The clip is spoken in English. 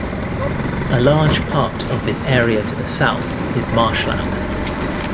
A large part of this area to the south is marshland.